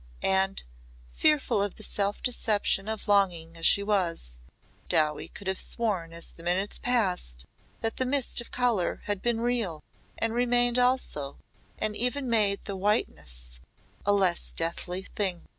And, fearful of the self deception of longing as she was, Dowie could have sworn as the minutes passed that the mist of colour had been real and remained also and even made the whiteness a less deathly thing.